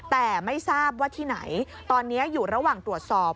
แต่ไม่ทราบว่าที่ไหนตอนนี้อยู่ระหว่างตรวจสอบ